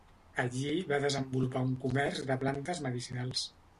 Allí va desenvolupar un comerç de plantes medicinals.